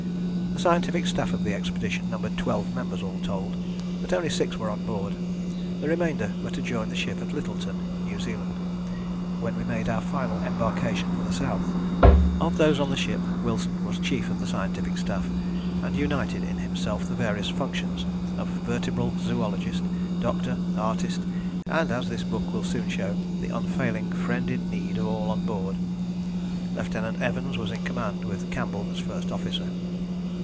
The scientific staff of the expedition numbered twelve members all told, but only six were on board: the remainder were to join the ship at Lyttelton, New Zealand, when we made our final embarcation for the South. Of those on the ship Wilson was chief of the scientific staff, and united in himself the various functions of vertebral zoologist, doctor, artist, and, as this book will soon show, the unfailing friend in need of all on board. Lieutenant Evans was in command, with Campbell as first officer.